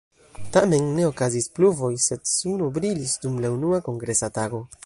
Tamen ne okazis pluvoj sed suno brilis dum la unua kongresa tago.